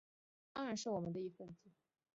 当然是我们的一分子